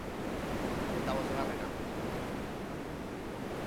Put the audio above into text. Gipuzkoarrek partida kaskarra jokatu dute.